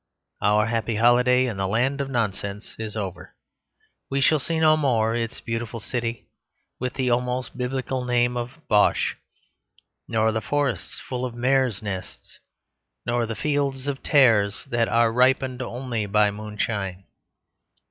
Our happy holiday in the land of nonsense is over; we shall see no more its beautiful city, with the almost Biblical name of Bosh, nor the forests full of mares' nests, nor the fields of tares that are ripened only by moonshine.